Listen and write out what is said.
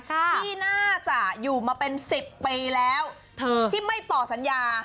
ที่น่าจะอยู่มาเป็น๑๐ปีแล้วที่ไม่ต่อสัญญา